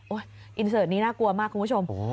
อินเสิร์ตนี้น่ากลัวมากคุณผู้ชม